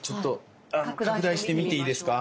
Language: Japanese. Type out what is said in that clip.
拡大して見ていいですか？